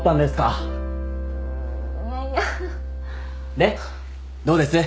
でどうです？